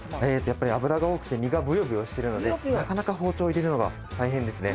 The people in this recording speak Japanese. やっぱり脂が多くて身がブヨブヨしてるのでなかなか包丁入れるのが大変ですね。